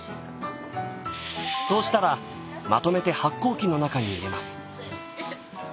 そうしたらまとめて発酵機の中に入れます。